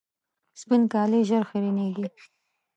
سپین کالي ژر خیرنېږي.